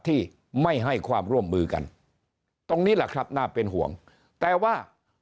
ที่ไม่ให้ความร่วมมือกันตรงนี้แหละครับน่าเป็นห่วงแต่ว่า